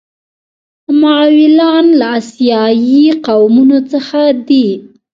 مغولان له اسیایي قومونو څخه دي.